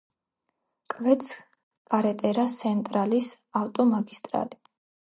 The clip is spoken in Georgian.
კვეთს კარეტერა-სენტრალის ავტომაგისტრალი.